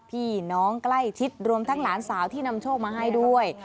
พี่น้องใกล้ชิดรวมทั้งหลานสาวที่นำโชคมาให้ด้วย